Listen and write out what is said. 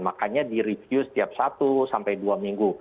makanya di review setiap satu sampai dua minggu